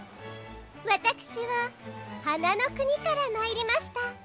わたくしははなのくにからまいりました